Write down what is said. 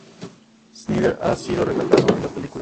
Snider ha sido retratado en dos películas.